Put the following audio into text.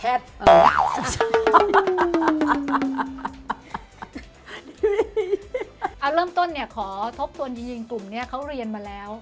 เอาเริ่มต้นเนี่ยขอทบทวนจริงกลุ่มนี้เขาเรียนมาแล้ว